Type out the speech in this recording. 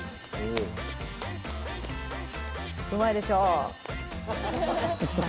うまいでしょ。